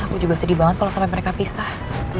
aku juga sedih banget kalo sampe mereka pisah